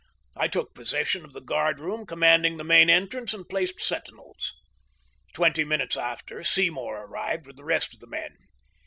I took possession of the guard room commanding the main entrance and placed sentinels. Twenty minutes after, Seymour arrived with the rest of the men.